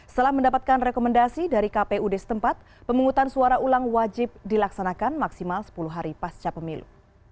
setelah mendapatkan rekomendasi dari kpud setempat pemungutan suara ulang wajib dilaksanakan maksimal sepuluh hari pasca pemilu